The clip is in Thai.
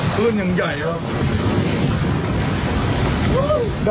ขึ้นอย่างใหญ่ครับ